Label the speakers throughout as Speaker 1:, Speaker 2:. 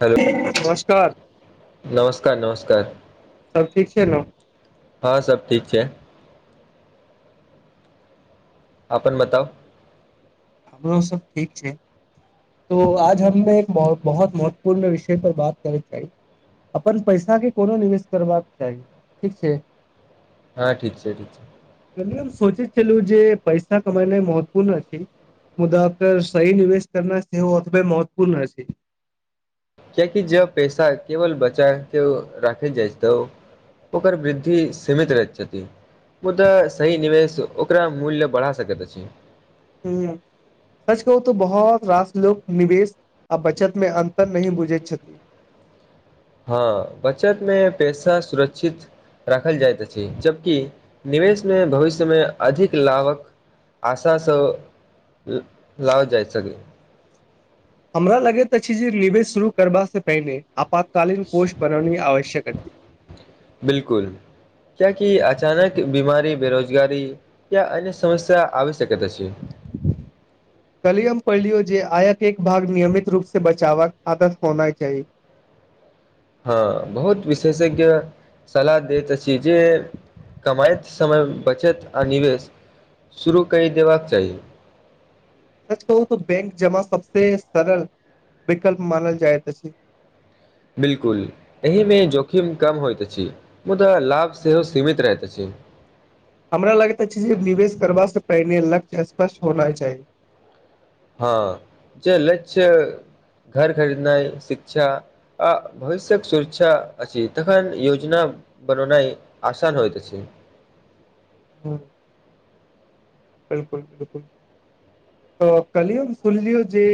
Speaker 1: hello
Speaker 2: नमस्कार
Speaker 1: नमस्कार नमस्कार
Speaker 2: सब ठीक छै नऽ
Speaker 1: हँ सब ठीक छै अपन बताउ
Speaker 2: हमरो सब ठीक छै तो आज हमलोग बहुत बहुत महत्वपूर्ण विषय पर बात करै कऽ चाही अपन पैसाकेँ कोनो निवेश करबाक चाही ठीक छै
Speaker 1: हँ ठीक छै ठीक छै
Speaker 2: कल्हि हम सोचे छलू जे पैसा कमाइनाई मत्वपूर्ण अछि मुदा फेर सही निवेश करना सेहो ओतबे महत्वपूर्ण अछि
Speaker 1: कियाकि जब पैसा केवल बचाकेँ राखे जाय तो ओकर वृद्धि सीमित रहैत छथि मुदा सही निवेश ओकरा मूल्य बढ़ा सकैत अछि
Speaker 2: हूँ सच कहू तो बहुत रास लोग निवेश आ बचत मे अन्तर नहि बुझैत छथि
Speaker 1: हँ बचत मे पैसा सुरक्षित राखल जाइत अछि जबकि निवेश मे भविष्य मे अधिक लाभक आशा सँ लाव जाइ सके
Speaker 2: हमरा लगैत अछि जे निवेश शुरू करबा से पहिने आपातकालीन कोष बनैनी आवश्यक अछि
Speaker 1: बिलकुल कियाकि अचानक बीमारी बेरोजगारी तऽ अन समस्य आ सक तऽ छै
Speaker 2: कली हम पढ़लियो जे आयक एक भाग नियमित रूप से बचावक आदत होना चाही
Speaker 1: हँ बहुत विशेषज्ञ सलाह दे तऽ चीजे कमाय समय बचत आ निवेश शुरू कय देबाक चाही
Speaker 2: सच कहू त बैंक जमा सबस सरल विकल्प मानल जाय तऽ
Speaker 1: बिल्कुल एहिमें जोखिम कम होइत अछि मुदा लाभ सेहो सीमित रहैत अछि
Speaker 2: हमरा लगता छय जे निवेश करबा से पहिने लक्ष्य स्पष्ट होना चाही
Speaker 1: हँ जे लक्ष्य घर खरीदनाइ शिक्षा आ भविष्य्यक सुरक्षा अइछ तखन योजना बननाइ आसान होइत छय
Speaker 2: हँ बिलकुल बिलकुल तऽ कलयुग सुनलियौ जे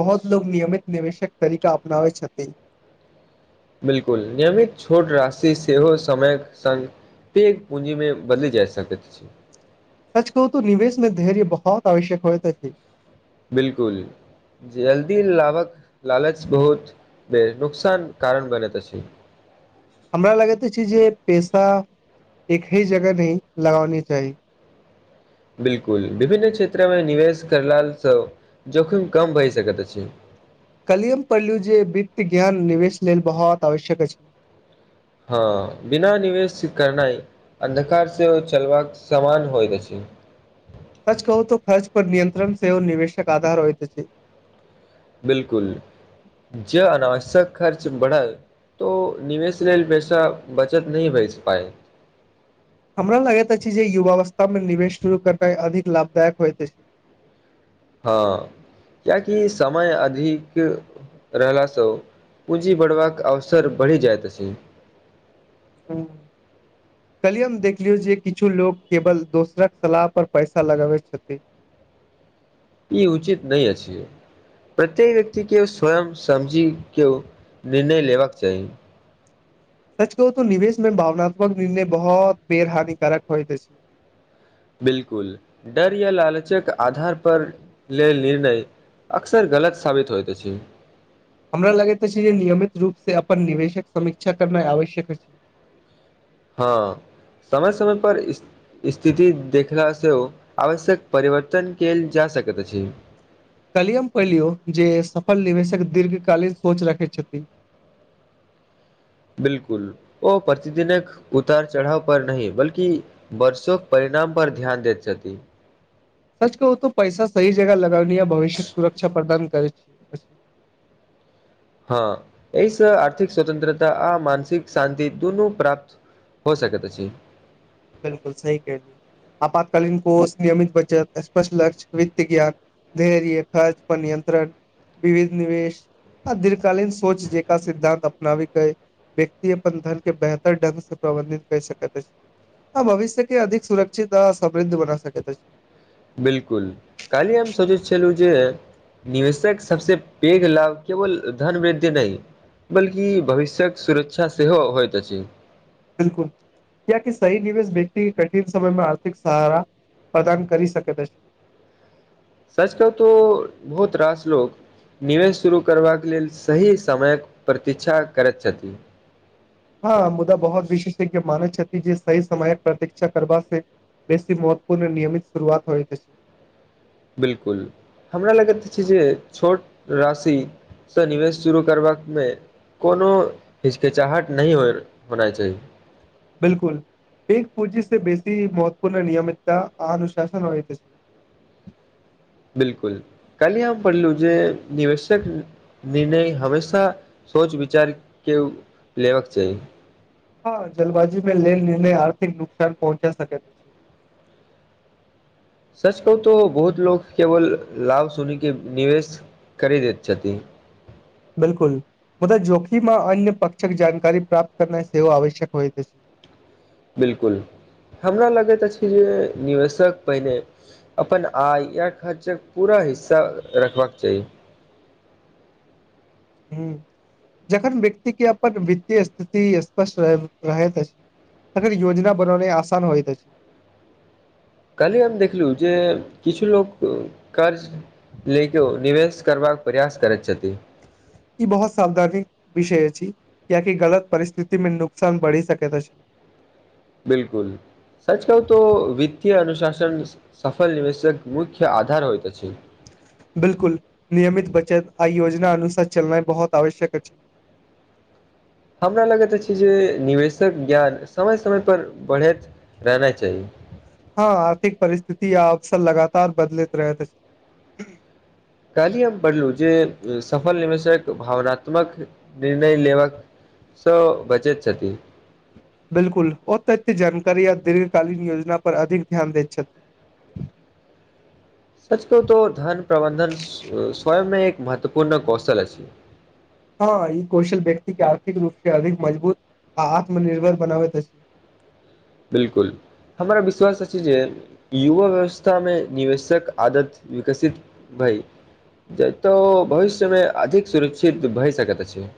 Speaker 2: बहुत लोकोग नियमित निवेशक तरीका अपनाव छथि
Speaker 1: बिलकुल नियमित छोट राशि सेहो समय सँ पैघ पूँजीमे बदलि जा सकैत छी
Speaker 2: सच कहु तो निवेश में धैर्य बहुत आवश्यक होतेथे
Speaker 1: बिल्कुल जल्दी लभक लालच बहुत बे नुकसान कारण बनैत अछि
Speaker 2: हमरा लगैते छय जे पैसा एक ही जगह न लगानी चाही
Speaker 1: बिलकुल विभिन्न क्षेत्रमें निवेश करलासँ जोखिम कम भहि सकैत अछि
Speaker 2: काल्हि हम पढ़लू जे वित्त ज्ञान निवेश लेल बहुत आवश्यक अछि
Speaker 1: हँ बिना निवेश करनाइ अन्धकारसँ चलबाक समान होइत अछि
Speaker 2: सच कहू तो खर्च पर नियंत्रण से सेहो निवेशक आधार होइत छय
Speaker 1: बिलकुल जे अनावश्यक खर्च बढ़ल तो निवेश लेल पैसा बचत नय भच पाए
Speaker 2: हमरा लगैत अछि जे युवावस्था में निवेश शुरू करनाइ अधिक लाभदायक होयइत अछि
Speaker 1: हँ किएकि समय अधिक रहलासँ पूँजी बढ़बाक अवसर बढ़ि जाइत अछि
Speaker 2: हं कलिय हम देखलियो जे किछु लोग केवल दोसरक सलाह पर पैसा लगाबय छथि
Speaker 1: ई उचित नहि अछियै प्रत्येक व्यक्ति के स्वयं समझी के निर्णय लेबाक चाही
Speaker 2: सच कहू तऽ निवेश में भावनात्मक निर्णय बहुत बेरहानिकारक होए त छै
Speaker 1: बिलकुल डर या लालचक आधार पर लेल निर्णय अक्सर गलत साबित होइत अछि
Speaker 2: हमरा लगैत अछि जे नियमित रूप से अपन निवेशक समीक्षा करनाइ आवश्यक अछि
Speaker 1: हँ समय समय पर इ स्थिति देखलासँ आवश्यक परिवर्तन कयल जा सकैत अछि
Speaker 2: कलियम पहिलियो जे सफल निवेशक दीर्घ कालीन सोच रखय छथि
Speaker 1: बिलकुल ओ प्रतिदिन एक उतार चढ़ाव पर नय बल्कि वर्षोके परिणाम पर ध्यान दैत छथि
Speaker 2: सच कह तो पैसा सही जगह लगानी या भविष्य के सुरक्षा प्रदान करै छी
Speaker 1: हँ एहिसँ आर्थिक स्वतन्त्रता आ मानसिक शान्ति दुनु प्राप्त हो सकै तऽ छी
Speaker 2: बिलकुल सही कहलिय आपातकालीन कोष नियमित बचत स्पष्ट लक्ष्य वित्त कऽ धैर्य खर्च पर नियन्त्रण विविध निवेश आ दीर्घकालीन सोच जेका सिद्धान्त अपनाब के व्यक्ति अपन धन के बेहतर ढंग से प्रबंधित कर सकैत अछि हँ भविष्य की अधिक सुरक्षित आ समृद्ध बना स तऽ छै
Speaker 1: बिलकुल की आम सज छैल जे निवेशक सबस पैघ लाभ केवल धन वृद्धि नहि बल्कि भविष्य्यक सुरक्षा सेहो होइत अछि
Speaker 2: बिल्कुल कियक सही निवेश व्यक्त कठिन समयमे आर्थिक सहारा प्रदान कर सक तऽ
Speaker 1: सच का तो बहुत रास लो निवेश शुरू करबाक लेल सही समयके प्रतीक्षा करैत छथि
Speaker 2: हँ मुदा बहुत विशेषज्ञ मानै छथि जे सही समयक प्रतीक्षा करबा बेसी मत्वपूर्ण नियमित शुरुआत होइ छय
Speaker 1: बिलकुल हमरा लगैत छय जे छोट राशि सँ निवेश शुरू करबा में कोनो हिचकिचाहट नहि हो होना चाही
Speaker 2: बिलकुल एक पूँजी से बेसी महत्वपूर्ण नियमितता अनुशासन हो
Speaker 1: बिलकुल काल आम पल जे निवसक निर्णय हमेशा सोच विचार के लेबाक चाही
Speaker 2: हँ जलबाजू में लेन लने आर्थिक नुकसान पहुँचा सक
Speaker 1: सच कहू तो बहुत लोको केवल लाभ सुनिके निवेश करि दैत छथिन
Speaker 2: बिलकुल बा जोखीमें अन्य पक्षक जानकारी प्राप्त करना सेव आवश्यक होइ
Speaker 1: बिलकुल हमरा लगैत अछि जे निवेशक पहिने अपन आय या खर्चक पूरा हिस्सा रखबाक चाही
Speaker 2: हं जखन व्यक्ति के अपन वित्तीय स्थिति स्पष्ट रहैत अछि तर योजना बनने आसान होइ तऽ छै
Speaker 1: काली हम देखलु जे किछु लोक काज लऽ के ओ निवेश करबाक प्रयास करैत छथि
Speaker 2: ई बहुत सावधानी विषय अछि कियाकि गलत परिस्थिति में नुकसान बढ़ी सकैत अछि
Speaker 1: बिलकुल सच कह तऽ वित्तीय अनुशासन सफल निवेशक मुख्य आधार होइत त छै
Speaker 2: बिलकुल नियमित बचत आ योजना अनुसार चलनाइ बहुत आवश्यक अछि
Speaker 1: हमरा लगैत अछि जे निवेशक ज्ञान समय समयप बढ़ैत रहना चाही
Speaker 2: हँ आर्थिक परिस्थिति अबस लगातार बदलैत रह
Speaker 1: काल्हि हम पढ़लूँ जे सफल निवेशक भावनात्मक निर्णय लेबाक सं बजैत छथि
Speaker 2: बिल्कुल ओ तथ्य जानकारी आ दीर्घ कालीन योजना पर अधिक ध्यान दैत छथि
Speaker 1: सच कहु तो धन प्रबन्धन सं स्वयं में एक महत्वपूर्ण कौशल अछि
Speaker 2: हँ ई कौशल व्यक्ति के आर्थिक रूप से अधिक मजबूत आ आत्मनिर्भर बनाबैत अछि
Speaker 1: बिलकुल हमरा विश्वास अछि जे युवा व्यवस्था में निवेशक आदत विकसित भय जतऽ भविष्य में अधिक सुरक्षित भए सकैत अछि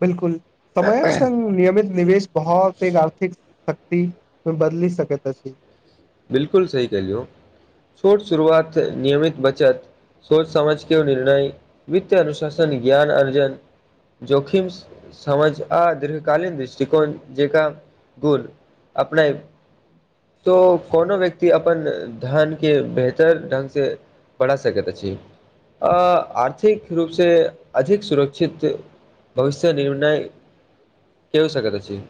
Speaker 2: बिल्कुल समयक संग नियमित निवेश हं से आर्थिक शक्ति बदली सक तऽ अछि
Speaker 1: बिल्कुल सही कह लियौ छोट शुरुआत नियमित बचत सोच समझ केओ निर्णय वित्त अनुशासन ज्ञान अर्जन जोखिम समझ आ दीर्घकालीन दृष्टिकोण जेकाँ गुण अपने तऽ कोनो व्यक्ति अपन धन के बेहतर ढंग से बढ़ा सकैत अछि अ आर्थिक रूपसँ अधिक सुरक्षित भविष्य निर्णय कओ सकैत अछि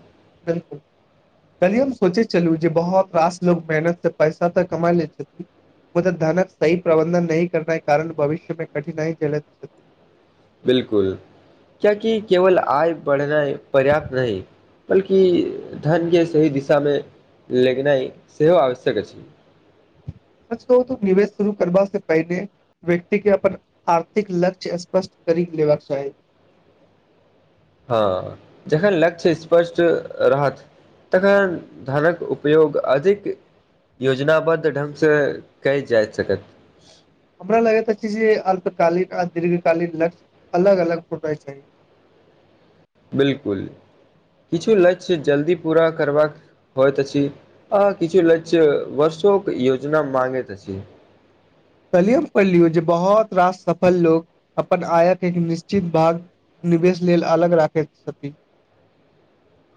Speaker 2: बिल्कुल काल्हि हम सोचे छलहु जे बहुत रास लोग मेहनत से पैसा तऽ कमा लै छथिन मुदा धनक सही प्रबन्धन नही करनाइ कारण भविष्य में कठिनाई झैलेत
Speaker 1: बिल्कुल कियाकि केवल आय बढ़नाइ पर्याप्त नहि बल्कि धन के सही दिशामे लेगनाइ सेहो आवश्यक अछि
Speaker 2: सच कहू तऽ निवेश शुरू करबा से पहिने व्यक्ति के अपन आर्थिक लक्ष्य स्पष्ट करि लेबाक चाही
Speaker 1: हँ जखन लक्ष्य स्पष्ट रहत तखन धनक उपयोग अधिक योजनाबद्ध ढंग से कइल जाय सकत
Speaker 2: हमरा लगैत आछि जे अल्पकालीन आ दीर्घ कालीन लक्ष्य अलग अलग होना चाहि
Speaker 1: बिल्कुल किछु लक्ष्य जल्दी पूरा करबाक होइत अछि आ किछु लक्ष्य वर्षोे योजना माँगैत अछि
Speaker 2: काल्हि हम पढ़लू जे बहुत रास सफल लोग अपन आयक एक निश्चित भाग निवेश लेल अलग राखैत छथि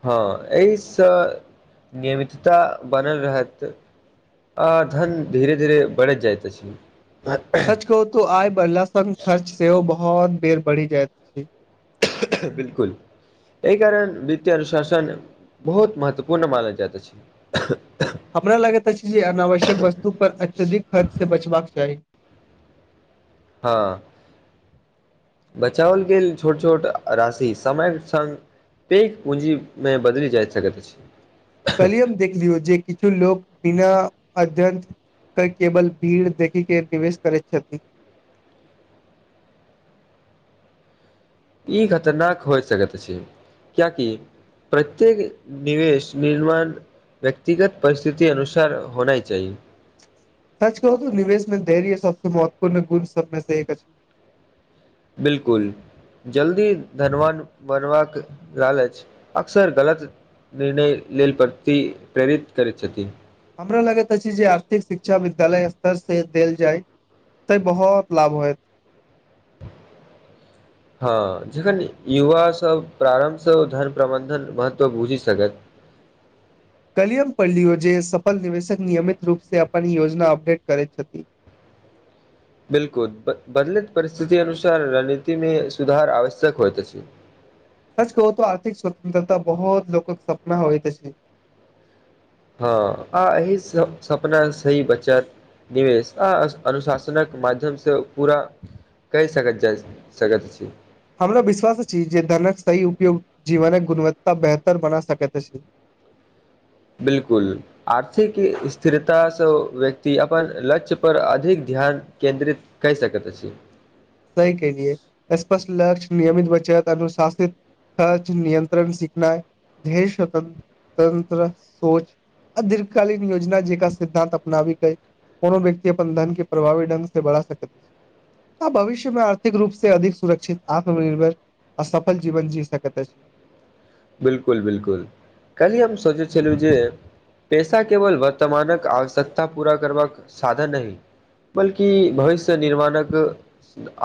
Speaker 1: हँ एहिसँ नियमितता बनल रहत आ धन धीरे धीरे बढ़ैत जाइत आछि
Speaker 2: सच तो आय बढ़ला स खर्च से ओ बहुत बेर बढ़ी जाय
Speaker 1: बिल्कूल एहि कारण वित्तिय अनुशासन बहुत महत्वपूर्ण मानल जाइत अछि
Speaker 2: हमरा लगैत अछि जे अनावश्यक वस्तु पर अत्यधिक खर्च से बचबाक चाही
Speaker 1: हँ बचाओल गेल छोट छोट राशि समय संग पेग पूंजी मऽ बदलि जाइत सकैत अछि
Speaker 2: काल्हि हम देखलियौ जे किछु लोक बिना अध्यन् कऽ केवल भीड़ देखै के निवेश करैत छथिन
Speaker 1: ई खतरनाक होय सकैत अछि कियाकि प्रत्येक निवेश निर्माण व्यक्तिगत परिस्थिति अनुसार होना चाहि
Speaker 2: सच कहू तऽ निवेश में धैर्य सबसँ महत्वपूर्ण गुण सबमे सऽ एक अछि
Speaker 1: बिल्कुल जल्दी धनवान बनबाक लालच अक्सर गलत निर्णय लेल प्रति प्रेरित करैत छथिन
Speaker 2: हमरा लगैत अछि जे आर्थिक शिक्षा विद्यालय स्तर से देल जाय तऽ बहुत लाभ होयत
Speaker 1: हँ जखन युवासभ प्रारम्भ सँ ओ धन प्रबन्धन महत्व बुझि सकत
Speaker 2: काल्हि हम पढ़लियो जे सफल निवेशक निियमित रूप से अप योजना अपडेट करै छथि
Speaker 1: बिल्कुल बदलेत परिस्थिति अनुसार रणनीति मे सुधार आवश्यक होइत अछि
Speaker 2: सच कहू तऽ आर्थिक स्वतंत्रता बहुत लोकके सपना होइ तऽ छै
Speaker 1: हँ आ एहि सपना सी बचत निवेश आ अनुशासनक माध्यमसँ ओ पूरा क सकैत जा सकैत छय
Speaker 2: हमरा विश्वास अछी जे धनक सही उपयोग जीवनक गुणवत्ता बेहतर बना सकैत अछि
Speaker 1: बिलकुल आर्थिक स्थिरतासँ व्यक्ति अपन लक्ष्य पर अधिक ध्यान केन्द्रित कहि सकत अछि
Speaker 2: सह के लि स्पष्ट लक्ष्य नियमित बचत अनुशासित खर्च नियन्त्रण सिखनाइ धत तत्त्र सोच दीर्घकालीन योजना जे एक सिद्धांत अपनाबी के कोनो व्यक्ति अपन धन के प्रभावी ढंग से बढ़ा सकत आ भविष्य आर्थिक रूप से अधिक सुरक्षित आत्मनिर्भर आ सफल जीवन जी सकैत अछि
Speaker 1: बिलकुल बिलकुल काल्हि हम सोचे छलू जे पेसा केवल वर्तमानक आवश्यकता पूरा करबाक साधन नय बल्कि भविष्य निर्माणक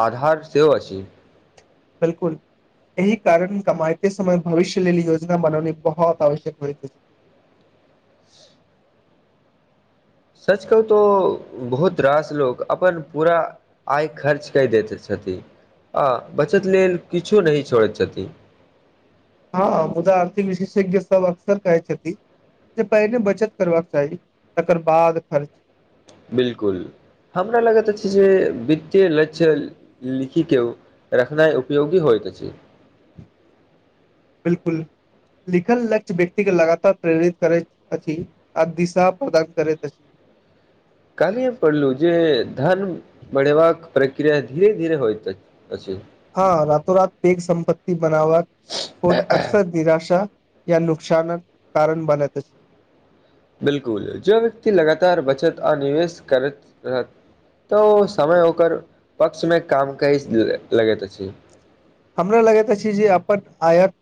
Speaker 1: आधार सेहो अछि
Speaker 2: बिल्कुल एहि कारण कमाइते समय भविष्य लेल योजना बनाउने बहुत आवश्यक होइत अछि
Speaker 1: सच कहू तो बहुत रास लोक अपन पूरा आय खर्च कय दैत छथि आ बचत लेल किछो नहि छोड़ैत छथि
Speaker 2: हँ मुदा आर्थिक विशेषज्ञ सब अकसर कहै छथि जे पहिने बचत करबाक चाही तकर बाद खर्च
Speaker 1: बिलकुल हमरा लगैत अछि जे वित्तीय लक्ष्य लिखि कऽ रखनाइ उपयोगी होइत छय
Speaker 2: बिल्कुल लिखल लक्ष्य व्यक्ति के लगातार प्रेरित करैत अछि आ दिशा प्रदान करैत अछि
Speaker 1: कालही हम पड़लू जे धन बढ़ेबाक प्रक्रिया धीरे धीरे होइत अछि अछि
Speaker 2: हँ रातो रात पैघ संपति बनावक सोच अक्सर निराशा य नुकसानत कारण बनाैत छय
Speaker 1: बिलकुल जो व्यक्ति लगातार बचत आ निवेश करैत रहत तऽ ओ समय ओकर पक्षमे काम कयी लऽ लगैत अछि
Speaker 2: हमरा लगे तऽ छी जे अपन आयत